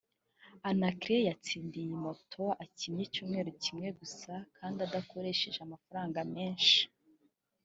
Anaclet yatsindiye iyi moto akinnye icyumweru kimwe gusa kandi adakoresheje amafaranga menshi